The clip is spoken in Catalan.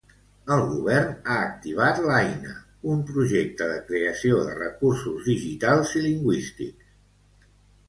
El govern ha activat l'Aina, un projecte de creació de recursos digitals i lingüístics.